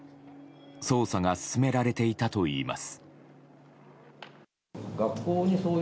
捜査が進められていたといいます。